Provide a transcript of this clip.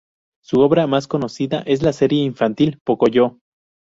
Su obra más conocida es la serie infantil "Pocoyó".